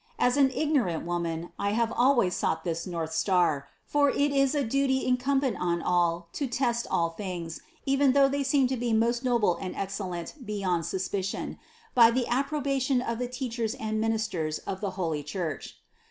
As an ignorant woman I have always sought this northstar, for it is a duty incumbent on all to test all things, even though they seem to be most noble and excellent beyond suspicion, by the approbation of the teachers and ministers of the holy Church.